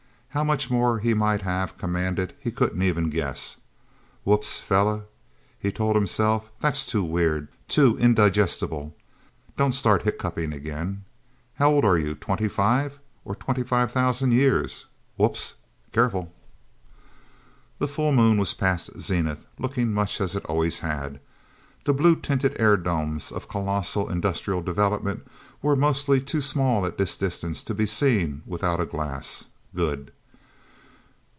How much more he might have commanded, he couldn't even guess. Wups, fella, he told himself. That's too weird, too indigestible don't start hiccuping again. How old are you twenty five, or twenty five thousand years? Wups careful... The full Moon was past zenith, looking much as it always had. The blue tinted air domes of colossal industrial development, were mostly too small at this distance to be seen without a glass. Good...